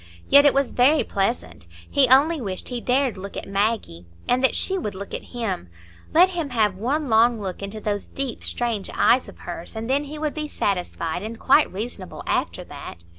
Yet it was very pleasant; he only wished he dared look at Maggie, and that she would look at him,—let him have one long look into those deep, strange eyes of hers, and then he would be satisfied and quite reasonable after that.